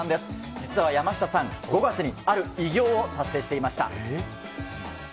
実は山下さん、５月にある偉業を達成していました。